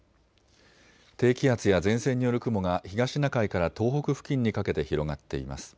低気圧や前線による雲が東シナ海から東北付近にかけて広がっています。